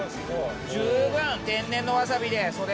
十分天然のわさびでそれ。